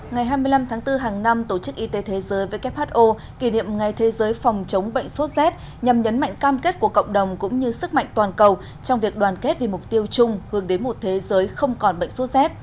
ngày hai mươi năm tháng bốn hàng năm tổ chức y tế thế giới who kỷ niệm ngày thế giới phòng chống bệnh sốt z nhằm nhấn mạnh cam kết của cộng đồng cũng như sức mạnh toàn cầu trong việc đoàn kết vì mục tiêu chung hướng đến một thế giới không còn bệnh số z